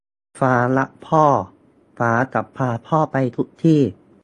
ฟ้ารักพ่อ ฟ้าจะพาพ่อไปทุกที่